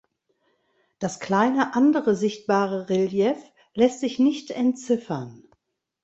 Das kleine andere sichtbare Relief lässt sich nicht entziffern.